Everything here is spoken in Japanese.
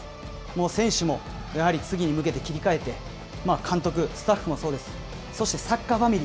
もう選手もやはり次に向けて切り替えて、監督、スタッフもそうです。